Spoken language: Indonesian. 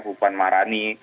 ibu buan maharani